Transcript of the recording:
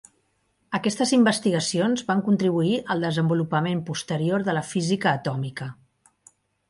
Aquestes investigacions van contribuir al desenvolupament posterior de la física atòmica.